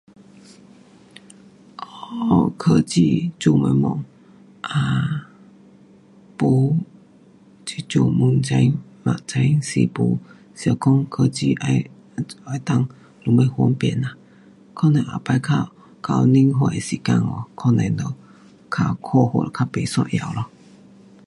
um 科技做东西？um 没，这阵五层，六层，诗巫，想讲科技要 um 贪什么方便啦，可能以后较到年岁的时间哦，可能就看法较不一样咯。